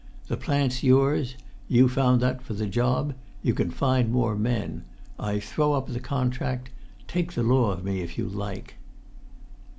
The plant's yours; you found that for the job; you can find more men. I throw up the contract: take the law of me if you like."